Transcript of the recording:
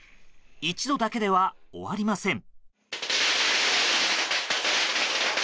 一度だけでは終わりません。